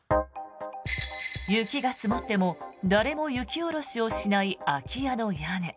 雪が積もっても誰も雪下ろしをしない空き家の屋根。